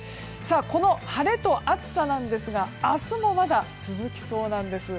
この晴れと暑さですが明日もまだ、続きそうなんです。